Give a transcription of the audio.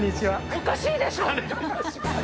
おかしいでしょ。